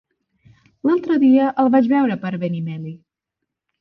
L'altre dia el vaig veure per Benimeli.